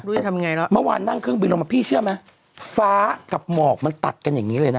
จะทำยังไงเนอะเมื่อวานนั่งเครื่องบินลงมาพี่เชื่อไหมฟ้ากับหมอกมันตัดกันอย่างนี้เลยนะ